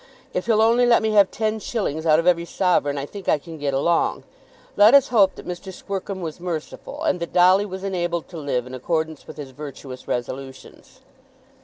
If he'll only let me have ten shillings out of every sovereign I think I can get along." Let us hope that Mr. Squercum was merciful, and that Dolly was enabled to live in accordance with his virtuous resolutions.